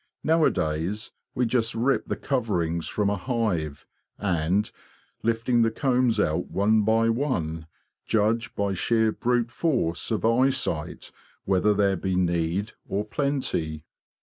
Nowadays we just rip the coverings from a hive and, lifting the combs out one by one, judge by sheer brute force of eyesight whether there be need or plenty.